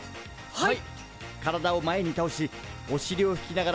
はい。